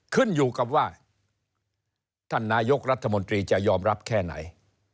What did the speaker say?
ขึ้นอยู่กับว่าท่านนายกรัฐมนตรีจะยอมรับแค่ไหน